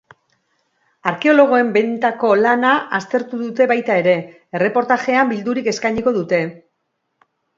Arkeologoen bentako lana aztertu dute baita ere, erreportajean bildurik eskainiko dute.